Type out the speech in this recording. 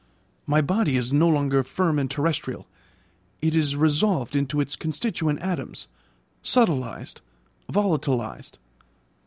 My body is no longer firm and terrestrial; it is resolved into its constituent atoms, subtilised, volatilised.